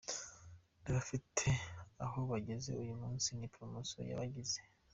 N’abafite aho bageze uyu munsi ni promotion yabagize.